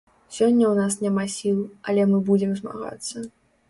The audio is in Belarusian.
Сёння ў нас няма сіл, але мы будзем змагацца.